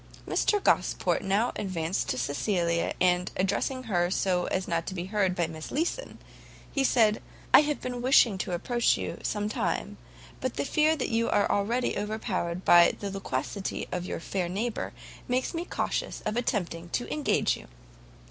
Mr Gosport now advanced to Cecilia, and addressing her so as not to be heard by Miss Leeson, said, "I have been wishing to approach you, some time, but the fear that you are already overpowered by the loquacity of your fair neighbour makes me cautious of attempting to engage you."